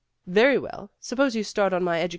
"Very well. Suppose you start on my edu